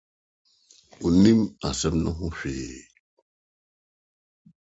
Onni asɛm no ho hwee.